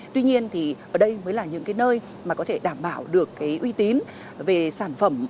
tuy nhiên thì ở đây mới là những cái nơi mà có thể đảm bảo được cái uy tín về sản phẩm